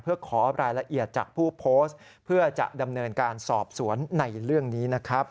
เพื่อขอรายละเอียดจากผู้โพสต์เพื่อจะดำเนินการสอบสวนในเรื่องนี้นะครับ